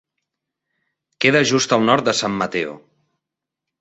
Queda just al nord de San Mateo.